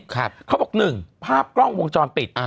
เขาบอก๑ภาพกล้องวงจรปิด